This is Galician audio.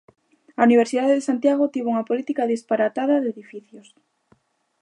A Universidade de Santiago tivo unha política disparatada de edificios.